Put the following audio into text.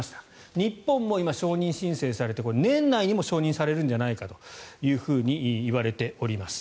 日本も今、承認申請されて年内にも承認されるんじゃないかといわれております。